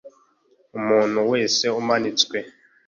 umuntu wese umanitswe